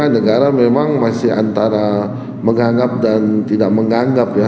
negara memang masih antara menganggap dan tidak menganggap ya